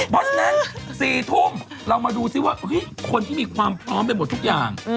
บ๊อสนึง๔ทุ่มเรามาดูซิว่าอุ๊ยคนที่มีความพร้อมในหมดทุกอย่าง